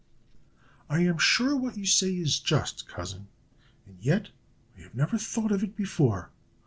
"I am sure what you say is just, cousin, and yet I have never thought of it before.